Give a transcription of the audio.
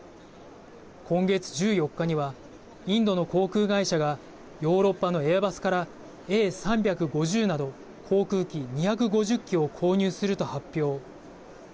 今月１４日にはインドの航空会社がヨーロッパのエアバスからＡ３５０など、航空機２５０機を購入すると発表。